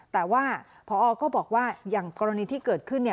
แต่ว่าพอก็บอกว่าอย่างกรณีที่เกิดขึ้นเนี่ย